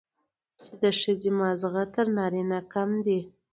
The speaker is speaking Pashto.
چې د ښځې ماغزه تر نارينه کم دي،